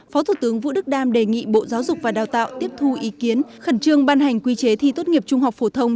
phó thủ tướng vũ đức đam đề nghị bộ giáo dục và đào tạo tiếp thu ý kiến khẩn trương ban hành quy chế thi tốt nghiệp trung học phổ thông